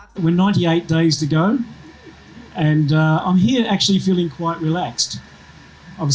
saya melihat fasilitas yang luar biasa yang dibina di gbk